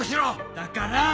だから！